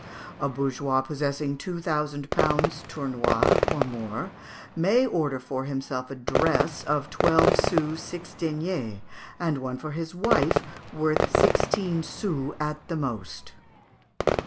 A bourgeois possessing two thousand pounds (tournois) or more, may order for himself a dress of twelve sous six deniers, and for his wife one worth sixteen sous at the most."